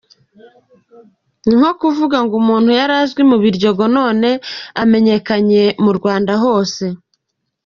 Ni nko kuvuga ngo umuntu yari azwi mu Biryogo, none amenyekanye mu Rwanda hose.